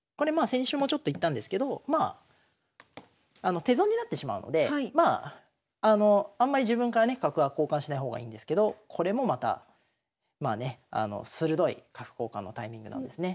先週もちょっと言ったんですけど手損になってしまうのであんまり自分からね角は交換しない方がいいんですけどこれもまたまあね鋭い角交換のタイミングなんですね。